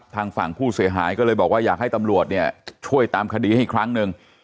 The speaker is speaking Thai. ทางฝั่งผู้เสียหายก็เลยบอกว่าอยากให้ตำรวจเนี่ยช่วยตามคดีให้ครั้งหนึ่ง